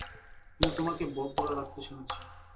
কিন্তু তোমাকে বব বলে ডাকতে শুনেছি।